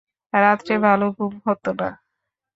রাত্রে ভালো ঘুম হত না।